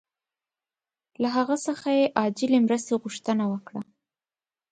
له هغه څخه یې عاجلې مرستې غوښتنه وکړه.